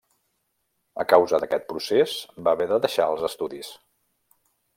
A causa d'aquest procés va haver de deixar els estudis.